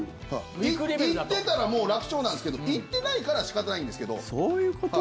行ってたらもう楽勝なんですけど行ってないからそういうことか。